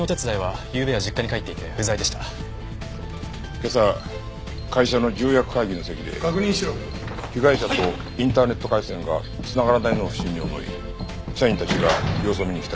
今朝会社の重役会議の席で被害者とインターネット回線が繋がらないのを不審に思い社員たちが様子を見に来たらしい。